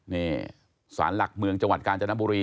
นี่ศาลหลักเมืองจังหวัดกาญจนบุรี